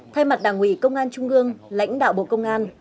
thay mặt đảng ủy công an trung ương lãnh đạo bộ công an